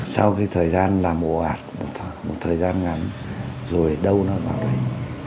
sau cái thời gian làm ổ ạt một thời gian ngắn rồi đâu nó vào đấy